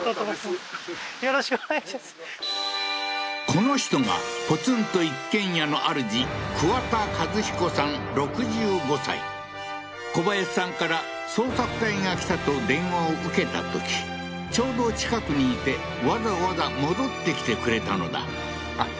この人がポツンと一軒家のあるじ小林さんから捜索隊が来たと電話を受けたときちょうど近くにいてわざわざ戻ってきてくれたのだあっ